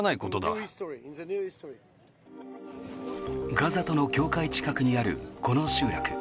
ガザとの境界近くにあるこの集落。